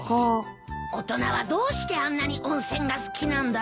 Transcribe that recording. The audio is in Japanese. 大人はどうしてあんなに温泉が好きなんだろう。